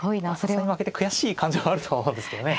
さすがに負けて悔しい感情はあるとは思うんですけどね